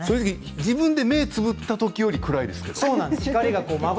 自分で目をつむったときより暗いです。